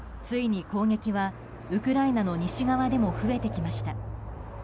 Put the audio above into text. ついに攻撃はウクライナの西側でも増えてきました。